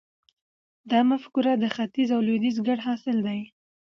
دا مفکوره د ختیځ او لویدیځ ګډ حاصل دی.